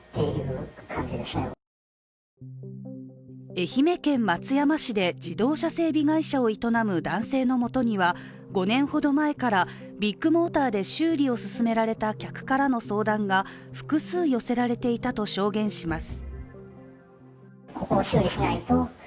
愛媛県松山市で自動車整備会社を営む男性のもとには５年ほど前からビッグモーターで修理を勧められた客からの相談が複数寄せられていたと証言します。